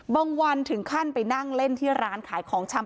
วันถึงขั้นไปนั่งเล่นที่ร้านขายของชำ